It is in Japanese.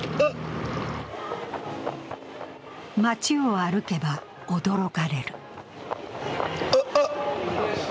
街を歩けば驚かれる。